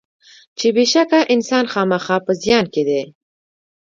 چې بېشکه انسان خامخا په زیان کې دی.